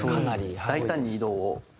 大胆に移動をはい。